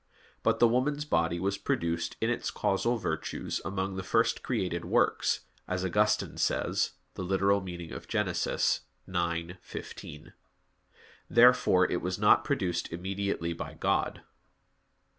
But the woman's body was produced in its causal virtues among the first created works, as Augustine says (Gen. ad lit. ix, 15). Therefore it was not produced immediately by God.